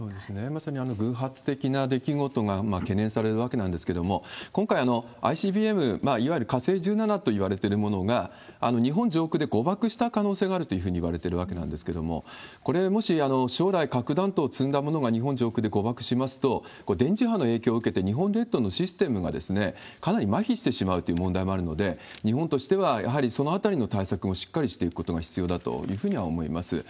まさに偶発的な出来事が懸念されるわけなんですけれども、今回、ＩＣＢＭ、いわゆる火星１７といわれてるものが、日本上空で誤爆した可能性があるというふうにいわれてるわけなんですけれども、これ、もし将来、核弾頭を積んだものが日本上空で誤爆しますと、これ、電磁波の影響を受けて、日本列島のシステムがかなりまひしてしまうという問題もあるので、日本としてはやはり、そのあたりの対策もしっかりしていくことが必要だというふうには思います。